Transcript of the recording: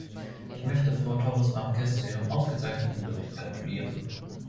Ich möchte Frau Torres Marques zu ihrem ausgezeichneten Bericht gratulieren.